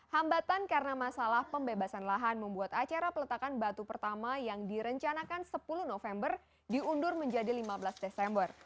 hambatan karena masalah pembebasan lahan membuat acara peletakan batu pertama yang direncanakan sepuluh november diundur menjadi lima belas desember